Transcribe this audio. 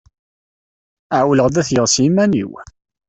Ɛewleɣ-d ad t-geɣ s yiman-iw.